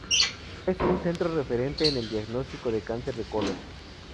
Es un centro referente en el diagnóstico del cáncer de colon.